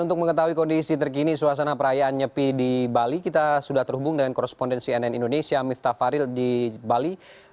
untuk mengetahui kondisi terkini suasana perayaan nyepi di bali kita sudah terhubung dengan korespondensi nn indonesia miftah faril di bali